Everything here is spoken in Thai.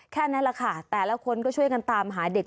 แค่นั้นแหละค่ะแต่ละคนก็ช่วยกันตามหาเด็ก